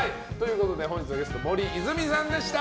本日のゲスト森泉さんでした。